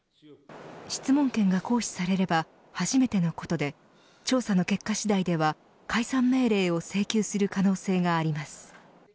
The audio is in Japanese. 質問権が行使されれば初めてのことで調査の結果次第では解散命令を請求する可能性があります。